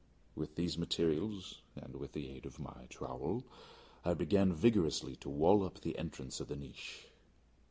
With these materials and with the aid of my trowel, I began vigorously to wall up the entrance of the niche.